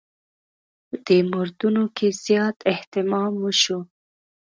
په دې موردونو کې زیات اهتمام وشو.